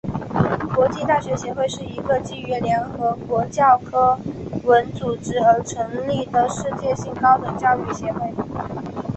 国际大学协会是一个基于联合国教科文组织而成立的世界性高等教育协会。